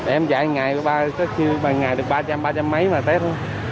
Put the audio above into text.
em chạy ba ngày được ba trăm linh ba trăm linh mấy mà test